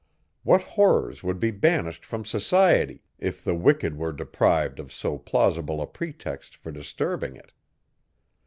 What horrors would be banished from society, if the wicked were deprived of so plausible a pretext for disturbing it!